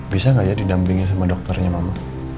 bisa nggak ya didampingi sama dokternya mama